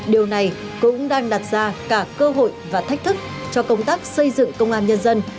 điều này cũng đang đặt ra cả cơ hội và thách thức cho công tác xây dựng công an nhân dân